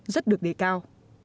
rất được đề cao